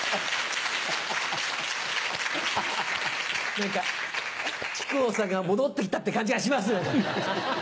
何か木久扇さんが戻って来たって感じがしますね。